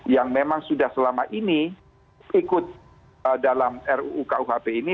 yang memang sudah selama ini ikut dalam ruu kuhp ini